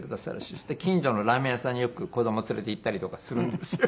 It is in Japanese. そして近所のラーメン屋さんによく子供連れて行ったりとかするんですよ。